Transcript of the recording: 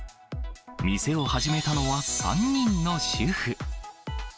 店を始めたのは３人の主婦。